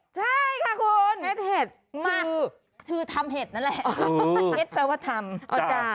ใช่ค่ะคุณเม็ดเห็ดมาคือทำเห็ดนั่นแหละเพชรแปลว่าทำ